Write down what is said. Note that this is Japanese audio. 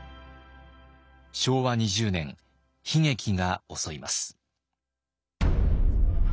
昭和２０年悲劇が襲います。